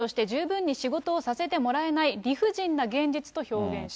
議員として十分に仕事をさせてもらえない理不尽な現実と表現した。